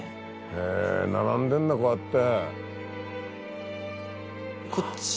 へぇ並んでんだこうやって。